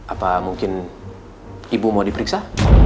apa mungkin ibu mau diperiksa